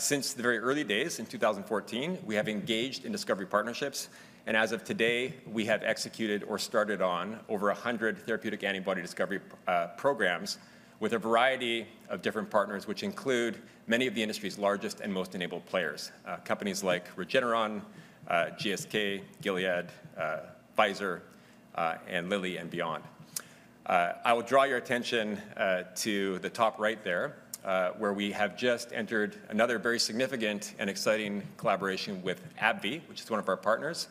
Since the very early days in 2014, we have engaged in discovery partnerships, and as of today, we have executed or started on over 100 therapeutic antibody discovery programs with a variety of different partners, which include many of the industry's largest and most enabled players: companies like Regeneron, GSK, Gilead, Pfizer, and Lilly, and beyond. I will draw your attention to the top right there, where we have just entered another very significant and exciting collaboration with AbbVie, which is one of our partners,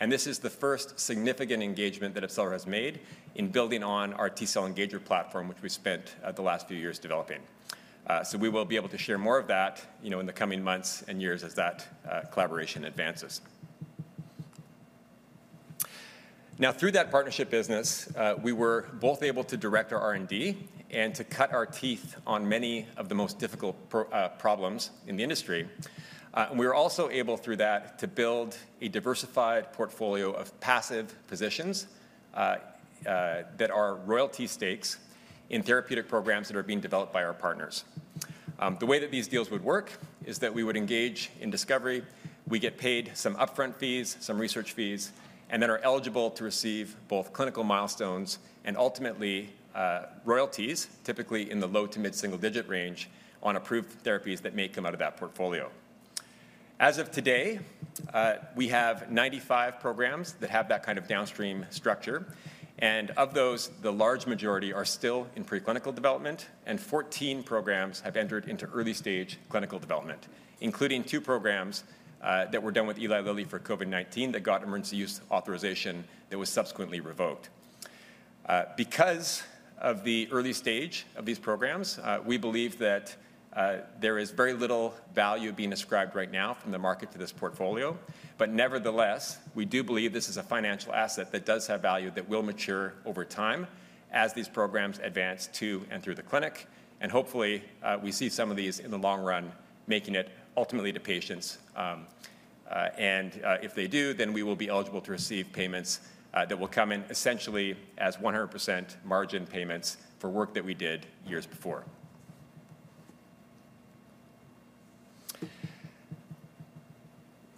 and this is the first significant engagement that AbCellera has made in building on our T-cell engager platform, which we spent the last few years developing, so we will be able to share more of that in the coming months and years as that collaboration advances. Now, through that partnership business, we were both able to direct our R&D and to cut our teeth on many of the most difficult problems in the industry, and we were also able, through that, to build a diversified portfolio of passive positions that are royalty stakes in therapeutic programs that are being developed by our partners. The way that these deals would work is that we would engage in discovery. We get paid some upfront fees, some research fees, and then are eligible to receive both clinical milestones and ultimately royalties, typically in the low to mid-single-digit range, on approved therapies that may come out of that portfolio. As of today, we have 95 programs that have that kind of downstream structure. And of those, the large majority are still in preclinical development, and 14 programs have entered into early-stage clinical development, including two programs that were done with Eli Lilly for COVID-19 that got emergency use authorization that was subsequently revoked. Because of the early stage of these programs, we believe that there is very little value being ascribed right now from the market to this portfolio. But nevertheless, we do believe this is a financial asset that does have value that will mature over time as these programs advance to and through the clinic. And hopefully, we see some of these in the long run, making it ultimately to patients. And if they do, then we will be eligible to receive payments that will come in essentially as 100% margin payments for work that we did years before.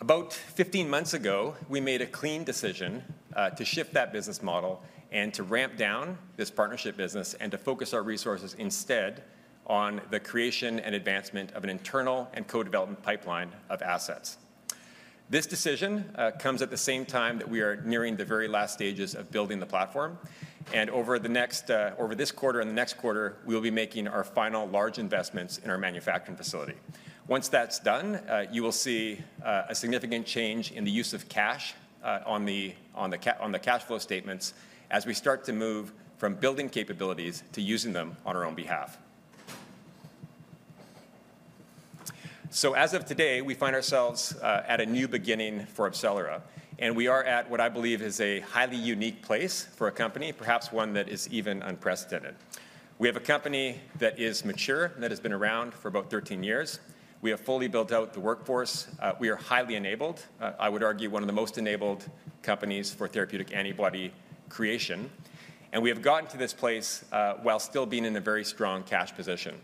About 15 months ago, we made a clean decision to shift that business model and to ramp down this partnership business and to focus our resources instead on the creation and advancement of an internal and co-development pipeline of assets. This decision comes at the same time that we are nearing the very last stages of building the platform. And over this quarter and the next quarter, we will be making our final large investments in our manufacturing facility. Once that's done, you will see a significant change in the use of cash on the cash flow statements as we start to move from building capabilities to using them on our own behalf. So as of today, we find ourselves at a new beginning for AbCellera. And we are at what I believe is a highly unique place for a company, perhaps one that is even unprecedented. We have a company that is mature and that has been around for about 13 years. We have fully built out the workforce. We are highly enabled, I would argue one of the most enabled companies for therapeutic antibody creation. And we have gotten to this place while still being in a very strong cash position.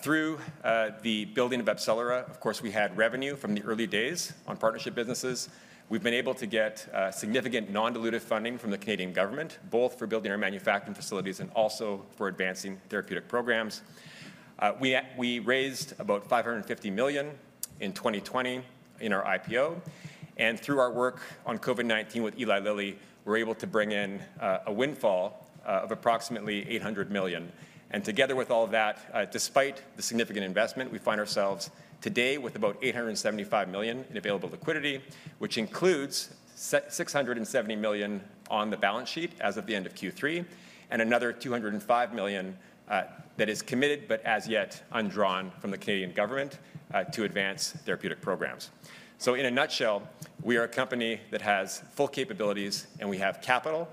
Through the building of AbCellera, of course, we had revenue from the early days on partnership businesses. We've been able to get significant non-dilutive funding from the Canadian government, both for building our manufacturing facilities and also for advancing therapeutic programs. We raised about $550 million in 2020 in our IPO. And through our work on COVID-19 with Eli Lilly, we were able to bring in a windfall of approximately $800 million. Together with all of that, despite the significant investment, we find ourselves today with about $875 million in available liquidity, which includes $670 million on the balance sheet as of the end of Q3, and another $205 million that is committed but as yet undrawn from the Canadian government to advance therapeutic programs. So in a nutshell, we are a company that has full capabilities, and we have capital.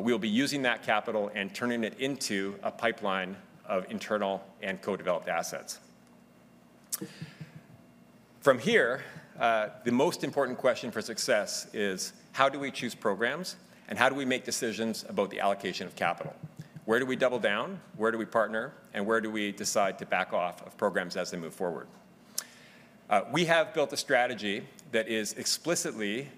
We will be using that capital and turning it into a pipeline of internal and co-developed assets. From here, the most important question for success is, how do we choose programs and how do we make decisions about the allocation of capital? Where do we double down? Where do we partner? And where do we decide to back off of programs as they move forward? We have built a strategy that is explicitly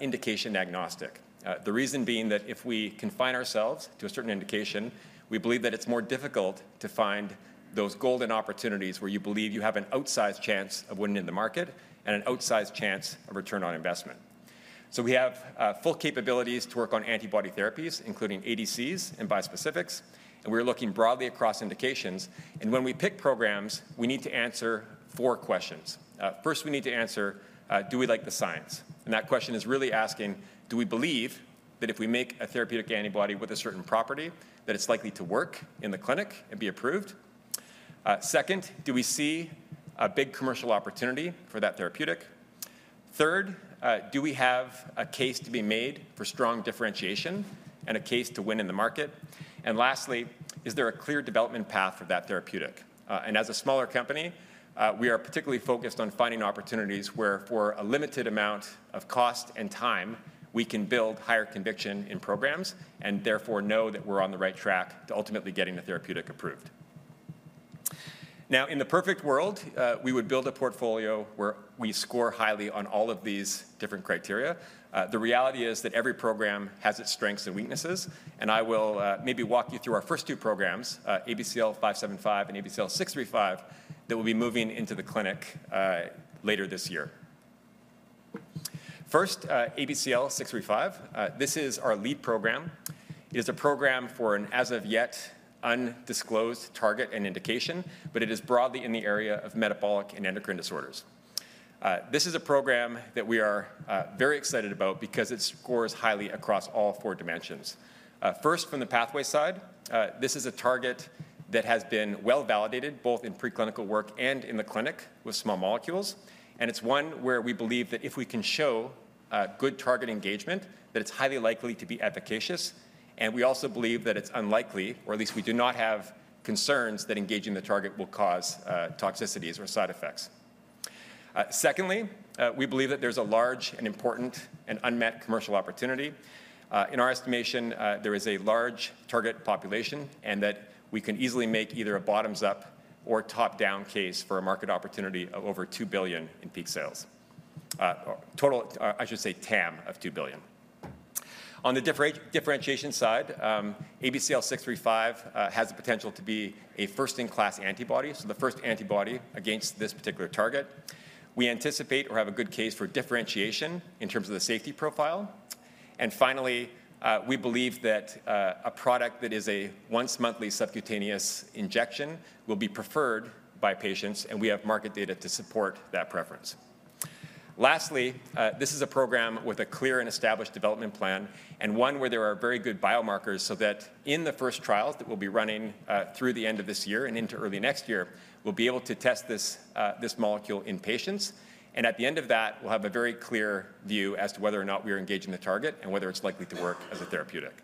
indication agnostic, the reason being that if we confine ourselves to a certain indication, we believe that it's more difficult to find those golden opportunities where you believe you have an outsized chance of winning in the market and an outsized chance of return on investment. So we have full capabilities to work on antibody therapies, including ADCs and bispecifics. And when we pick programs, we need to answer four questions. First, we need to answer, do we like the science? And that question is really asking, do we believe that if we make a therapeutic antibody with a certain property, that it's likely to work in the clinic and be approved? Second, do we see a big commercial opportunity for that therapeutic? Third, do we have a case to be made for strong differentiation and a case to win in the market? And lastly, is there a clear development path for that therapeutic? And as a smaller company, we are particularly focused on finding opportunities where, for a limited amount of cost and time, we can build higher conviction in programs and therefore know that we're on the right track to ultimately getting the therapeutic approved. Now, in the perfect world, we would build a portfolio where we score highly on all of these different criteria. The reality is that every program has its strengths and weaknesses. And I will maybe walk you through our first two programs, ABCL575 and ABCL635, that will be moving into the clinic later this year. First, ABCL635. This is our lead program. It is a program for an as-of-yet undisclosed target and indication, but it is broadly in the area of metabolic and endocrine disorders. This is a program that we are very excited about because it scores highly across all four dimensions. First, from the pathway side, this is a target that has been well validated both in preclinical work and in the clinic with small molecules, and it's one where we believe that if we can show good target engagement, that it's highly likely to be efficacious, and we also believe that it's unlikely, or at least we do not have concerns that engaging the target will cause toxicities or side effects. Secondly, we believe that there's a large and important and unmet commercial opportunity. In our estimation, there is a large target population and that we can easily make either a bottoms-up or top-down case for a market opportunity of over $2 billion in peak sales, total, I should say, TAM of $2 billion. On the differentiation side, ABCL635 has the potential to be a first-in-class antibody, so the first antibody against this particular target. We anticipate or have a good case for differentiation in terms of the safety profile. And finally, we believe that a product that is a once-monthly subcutaneous injection will be preferred by patients, and we have market data to support that preference. Lastly, this is a program with a clear and established development plan and one where there are very good biomarkers so that in the first trials that we'll be running through the end of this year and into early next year, we'll be able to test this molecule in patients. And at the end of that, we'll have a very clear view as to whether or not we are engaging the target and whether it's likely to work as a therapeutic.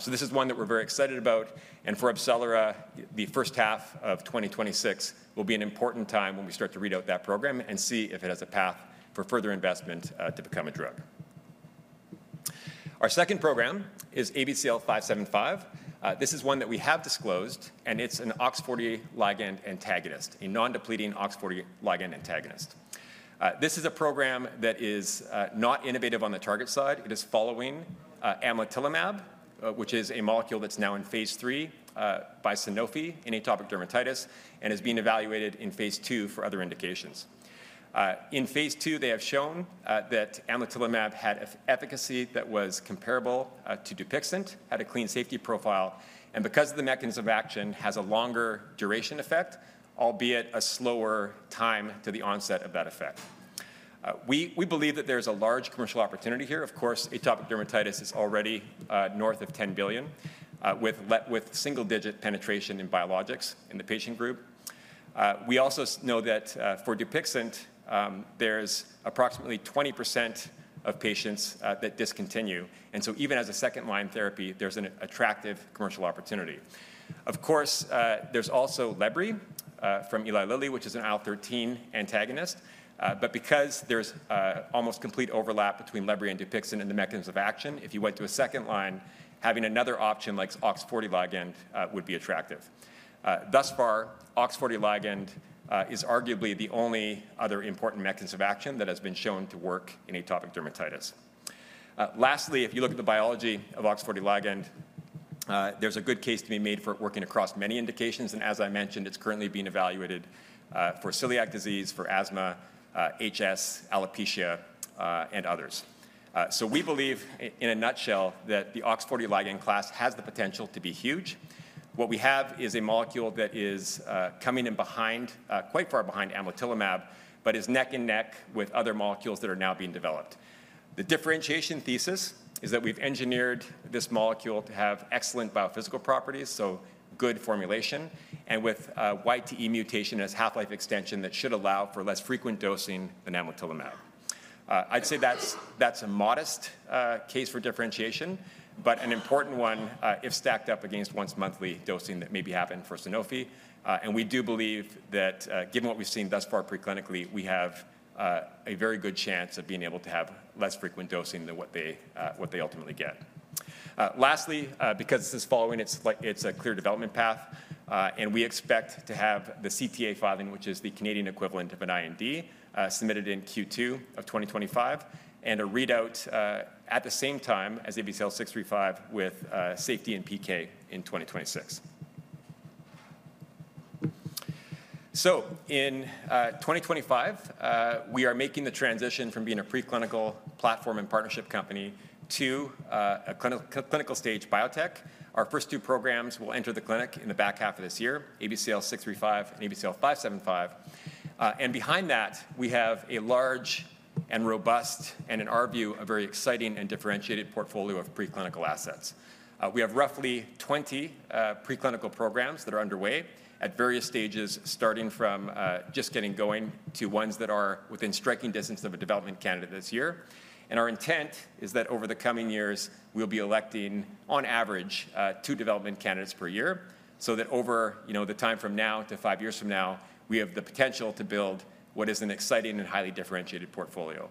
So this is one that we're very excited about. And for AbCellera, the first half of 2026 will be an important time when we start to read out that program and see if it has a path for further investment to become a drug. Our second program is ABCL 575. This is one that we have disclosed, and it's an OX40 ligand antagonist, a non-depleting OX40 ligand antagonist. This is a program that is not innovative on the target side. It is following amlitelimab, which is a molecule that's now in phase three by Sanofi in atopic dermatitis and is being evaluated in phase two for other indications. In phase two, they have shown that amlitelimab had efficacy that was comparable to Dupixent, had a clean safety profile, and because of the mechanism of action, has a longer duration effect, albeit a slower time to the onset of that effect. We believe that there is a large commercial opportunity here. Of course, atopic dermatitis is already north of $10 billion with single-digit penetration in biologics in the patient group. We also know that for Dupixent, there is approximately 20% of patients that discontinue. And so even as a second-line therapy, there's an attractive commercial opportunity. Of course, there's also Lebrikizumab from Eli Lilly, which is an IL-13 antagonist. But because there's almost complete overlap between Lebrie and Dupixent and the mechanism of action, if you went to a second line, having another option like OX40 ligand would be attractive. Thus far, OX40 ligand is arguably the only other important mechanism of action that has been shown to work in atopic dermatitis. Lastly, if you look at the biology of OX40 ligand, there's a good case to be made for it working across many indications. And as I mentioned, it's currently being evaluated for celiac disease, for asthma, HS, alopecia, and others. So we believe, in a nutshell, that the OX40 ligand class has the potential to be huge. What we have is a molecule that is coming in quite far behind amlitelimab, but is neck and neck with other molecules that are now being developed. The differentiation thesis is that we've engineered this molecule to have excellent biophysical properties, so good formulation, and with YTE mutation as half-life extension that should allow for less frequent dosing than amlitelimab. I'd say that's a modest case for differentiation, but an important one if stacked up against once-monthly dosing that maybe happened for Sanofi. And we do believe that, given what we've seen thus far preclinically, we have a very good chance of being able to have less frequent dosing than what they ultimately get. Lastly, because this is following, it's a clear development path. And we expect to have the CTA filing, which is the Canadian equivalent of an IND, submitted in Q2 of 2025, and a readout at the same time as ABCL 635 with safety and PK in 2026. So in 2025, we are making the transition from being a preclinical platform and partnership company to a clinical-stage biotech. Our first two programs will enter the clinic in the back half of this year, ABCL 635 and ABCL 575. And behind that, we have a large and robust, and in our view, a very exciting and differentiated portfolio of preclinical assets. We have roughly 20 preclinical programs that are underway at various stages, starting from just getting going to ones that are within striking distance of a development candidate this year. And our intent is that over the coming years, we'll be electing, on average, two development candidates per year so that over the time from now to five years from now, we have the potential to build what is an exciting and highly differentiated portfolio.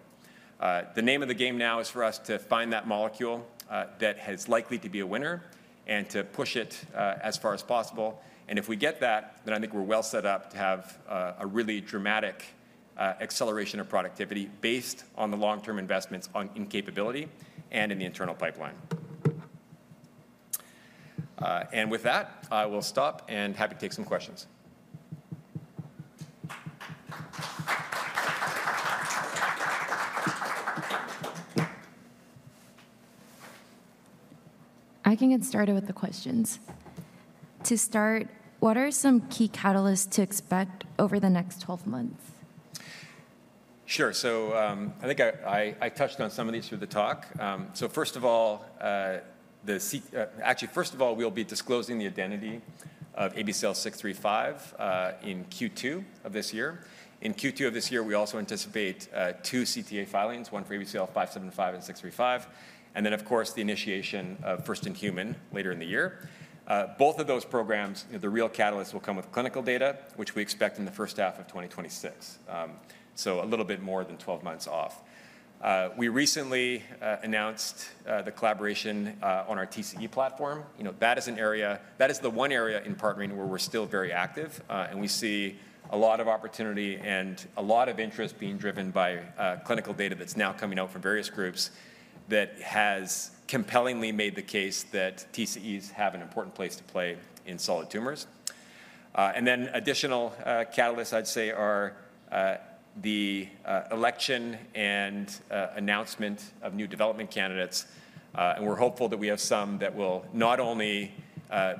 The name of the game now is for us to find that molecule that is likely to be a winner and to push it as far as possible. And if we get that, then I think we're well set up to have a really dramatic acceleration of productivity based on the long-term investments in capability and in the internal pipeline. And with that, I will stop and happy to take some questions. I can get started with the questions. To start, what are some key catalysts to expect over the next 12 months? Sure. So I think I touched on some of these through the talk. So first of all, actually, we'll be disclosing the identity of ABCL 635 in Q2 of this year. In Q2 of this year, we also anticipate two CTA filings, one for ABCL 575 and 635, and then, of course, the initiation of first-in-human later in the year. Both of those programs, the real catalysts will come with clinical data, which we expect in the first half of 2026, so a little bit more than 12 months off. We recently announced the collaboration on our TCE platform. That is the one area in partnering where we're still very active. And we see a lot of opportunity and a lot of interest being driven by clinical data that's now coming out from various groups that has compellingly made the case that TCEs have an important place to play in solid tumors. And then additional catalysts, I'd say, are the selection and announcement of new development candidates. And we're hopeful that we have some that will not only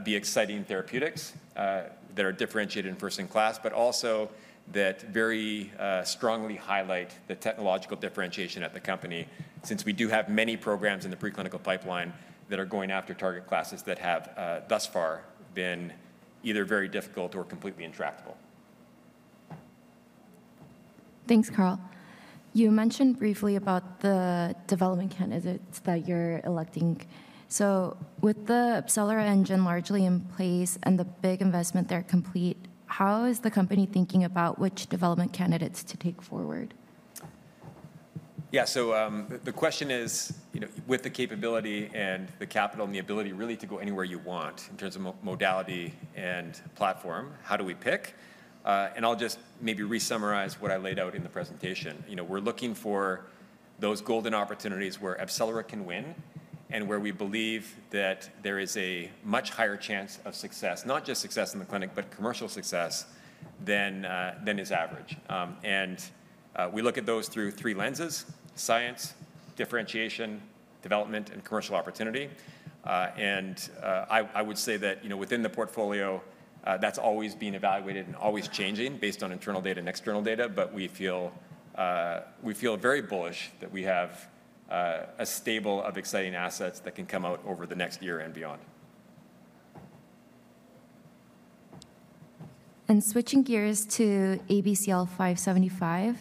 be exciting therapeutics that are differentiated in first-in-class, but also that very strongly highlight the technological differentiation at the company, since we do have many programs in the preclinical pipeline that are going after target classes that have thus far been either very difficult or completely intractable. Thanks, Carl. You mentioned briefly about the development candidates that you're selecting. So with the AbCellera engine largely in place and the big investment there complete, how is the company thinking about which development candidates to take forward? Yeah, so the question is, with the capability and the capital and the ability really to go anywhere you want in terms of modality and platform, how do we pick? And I'll just maybe re-summarize what I laid out in the presentation. We're looking for those golden opportunities where AbCellera can win and where we believe that there is a much higher chance of success, not just success in the clinic, but commercial success than is average. And we look at those through three lenses: science, differentiation, development, and commercial opportunity. And I would say that within the portfolio, that's always being evaluated and always changing based on internal data and external data. But we feel very bullish that we have a stable of exciting assets that can come out over the next year and beyond. Switching gears to ABCL 575,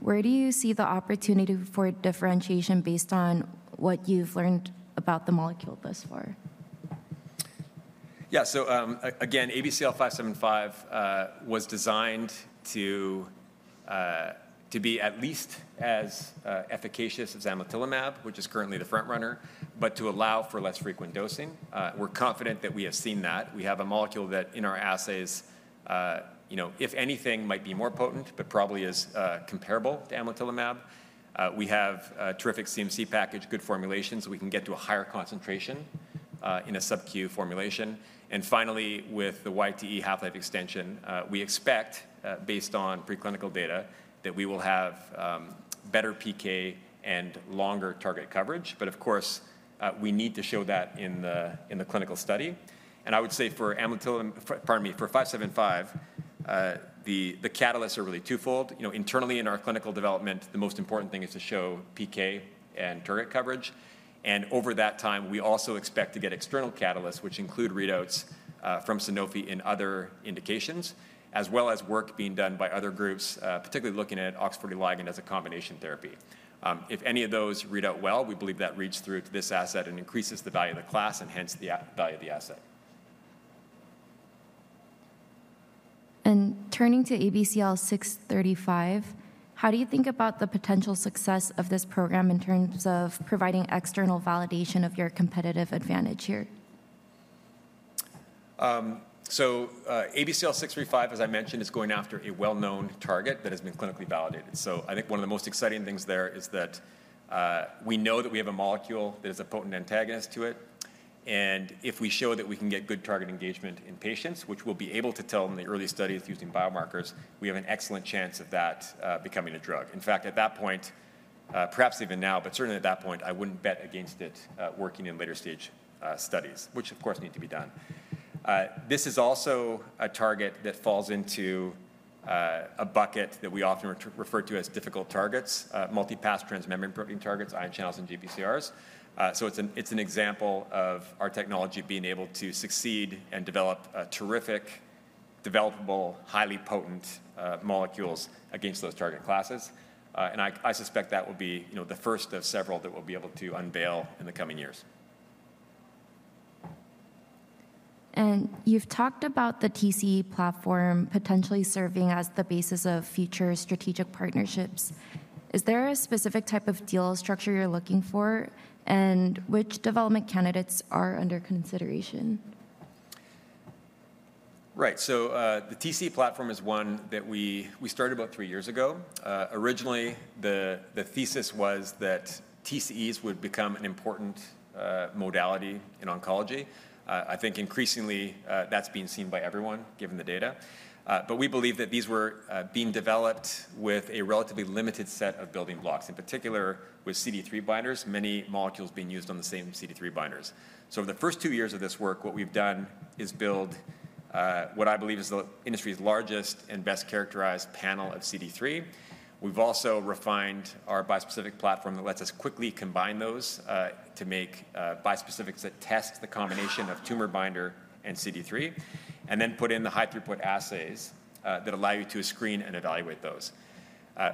where do you see the opportunity for differentiation based on what you've learned about the molecule thus far? Yeah, so again, ABCL 575 was designed to be at least as efficacious as amlitelimab, which is currently the front runner, but to allow for less frequent dosing. We're confident that we have seen that. We have a molecule that in our assays, if anything, might be more potent, but probably is comparable to amlitelimab. We have a terrific CMC package, good formulations, so we can get to a higher concentration in a sub-Q formulation. And finally, with the YTE half-life extension, we expect, based on preclinical data, that we will have better PK and longer target coverage. But of course, we need to show that in the clinical study. I would say for amlitelimab, pardon me, for 575, the catalysts are really twofold. Internally, in our clinical development, the most important thing is to show PK and target coverage. Over that time, we also expect to get external catalysts, which include readouts from Sanofi in other indications, as well as work being done by other groups, particularly looking at OX40 ligand as a combination therapy. If any of those read out well, we believe that reads through to this asset and increases the value of the class and hence the value of the asset. Turning to ABCL 635, how do you think about the potential success of this program in terms of providing external validation of your competitive advantage here? So ABCL 635, as I mentioned, is going after a well-known target that has been clinically validated. So I think one of the most exciting things there is that we know that we have a molecule that is a potent antagonist to it. And if we show that we can get good target engagement in patients, which we'll be able to tell in the early studies using biomarkers, we have an excellent chance of that becoming a drug. In fact, at that point, perhaps even now, but certainly at that point, I wouldn't bet against it working in later-stage studies, which, of course, need to be done. This is also a target that falls into a bucket that we often refer to as difficult targets, multipass transmembrane protein targets, ion channels, and GPCRs. It's an example of our technology being able to succeed and develop terrific, developable, highly potent molecules against those target classes. I suspect that will be the first of several that we'll be able to unveil in the coming years. You've talked about the TCE platform potentially serving as the basis of future strategic partnerships. Is there a specific type of deal structure you're looking for, and which development candidates are under consideration? Right. So the TCE platform is one that we started about three years ago. Originally, the thesis was that TCEs would become an important modality in oncology. I think increasingly that's being seen by everyone, given the data. But we believe that these were being developed with a relatively limited set of building blocks, in particular with CD3 binders, many molecules being used on the same CD3 binders. So over the first two years of this work, what we've done is build what I believe is the industry's largest and best characterized panel of CD3. We've also refined our bispecific platform that lets us quickly combine those to make bispecifics that test the combination of tumor binder and CD3, and then put in the high-throughput assays that allow you to screen and evaluate those.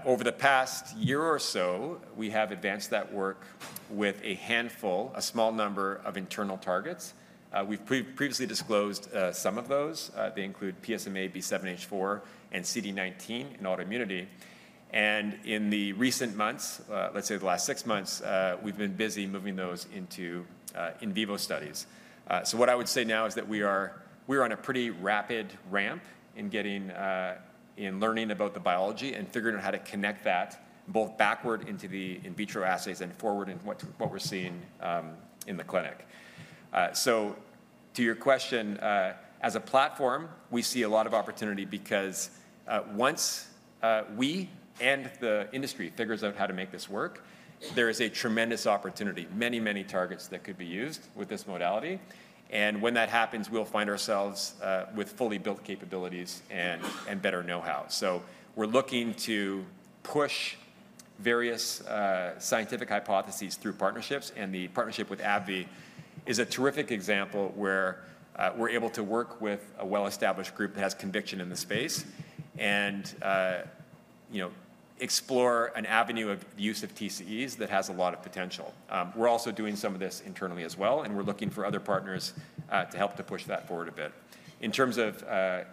Over the past year or so, we have advanced that work with a handful, a small number of internal targets. We've previously disclosed some of those. They include PSMA, B7-H4, and CD19 in autoimmunity, and in the recent months, let's say the last six months, we've been busy moving those into in vivo studies, so what I would say now is that we are on a pretty rapid ramp in getting in learning about the biology and figuring out how to connect that both backward into the in vitro assays and forward in what we're seeing in the clinic, so to your question, as a platform, we see a lot of opportunity because once we and the industry figures out how to make this work, there is a tremendous opportunity, many, many targets that could be used with this modality. And when that happens, we'll find ourselves with fully built capabilities and better know-how. So we're looking to push various scientific hypotheses through partnerships. And the partnership with AbbVie is a terrific example where we're able to work with a well-established group that has conviction in the space and explore an avenue of use of TCEs that has a lot of potential. We're also doing some of this internally as well, and we're looking for other partners to help to push that forward a bit. In terms of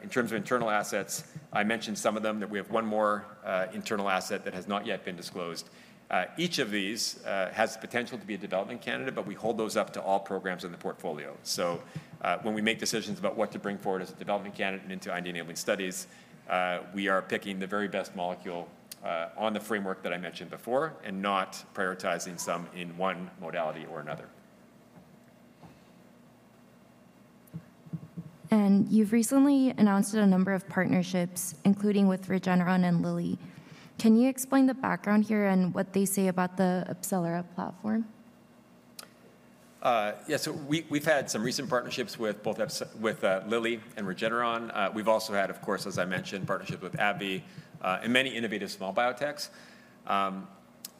internal assets, I mentioned some of them, that we have one more internal asset that has not yet been disclosed. Each of these has the potential to be a development candidate, but we hold those up to all programs in the portfolio. So when we make decisions about what to bring forward as a development candidate and into IND enabling studies, we are picking the very best molecule on the framework that I mentioned before and not prioritizing some in one modality or another. You've recently announced a number of partnerships, including with Regeneron and Lilly. Can you explain the background here and what they say about the AbCellera platform? Yeah, so we've had some recent partnerships with both Lilly and Regeneron. We've also had, of course, as I mentioned, partnerships with AbbVie and many innovative small biotechs.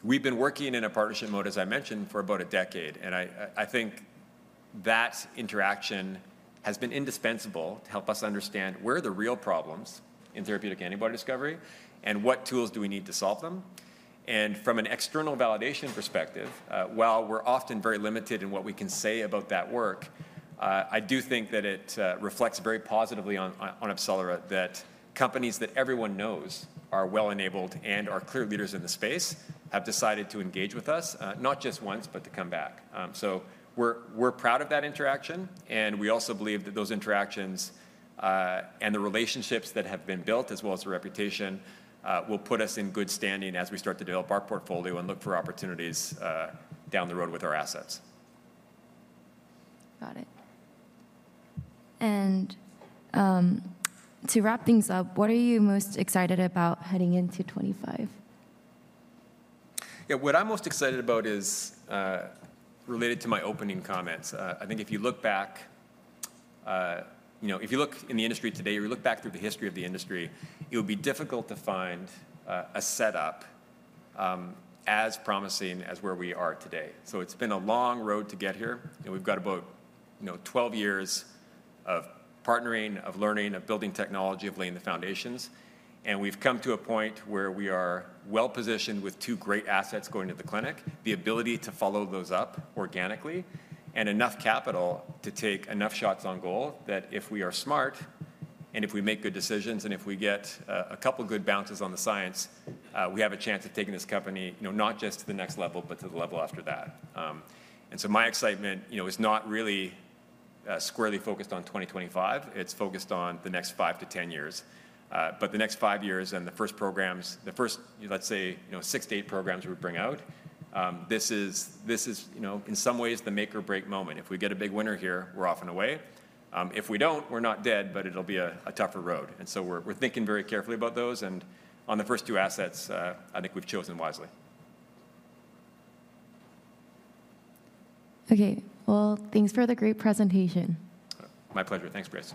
We've been working in a partnership mode, as I mentioned, for about a decade. I think that interaction has been indispensable to help us understand where the real problems in therapeutic antibody discovery are and what tools we need to solve them. From an external validation perspective, while we're often very limited in what we can say about that work, I do think that it reflects very positively on AbCellera that companies that everyone knows are well-enabled and are clear leaders in the space have decided to engage with us, not just once, but to come back. We're proud of that interaction. We also believe that those interactions and the relationships that have been built, as well as the reputation, will put us in good standing as we start to develop our portfolio and look for opportunities down the road with our assets. Got it. And to wrap things up, what are you most excited about heading into 2025? Yeah, what I'm most excited about is related to my opening comments. I think if you look back, if you look in the industry today, or you look back through the history of the industry, it would be difficult to find a setup as promising as where we are today. So it's been a long road to get here. And we've got about 12 years of partnering, of learning, of building technology, of laying the foundations. We've come to a point where we are well-positioned with two great assets going to the clinic, the ability to follow those up organically, and enough capital to take enough shots on goal that if we are smart and if we make good decisions and if we get a couple of good bounces on the science, we have a chance of taking this company not just to the next level, but to the level after that. So my excitement is not really squarely focused on 2025. It's focused on the next five to 10 years. The next five years and the first programs, the first, let's say, six to eight programs we bring out, this is, in some ways, the make-or-break moment. If we get a big winner here, we're off and away. If we don't, we're not dead, but it'll be a tougher road. We're thinking very carefully about those. On the first two assets, I think we've chosen wisely. Okay, well, thanks for the great presentation. My pleasure. Thanks, Chris.